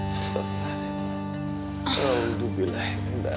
mas aku mau pergi